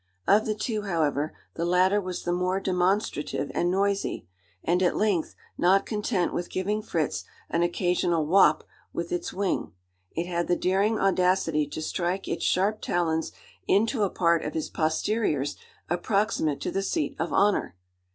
Of the two, however, the latter was the more demonstrative and noisy; and at length, not content with giving Fritz an occasional "wop" with its wing, it had the daring audacity to strike its sharp talons into a part of his posteriors approximate to the seat of honour.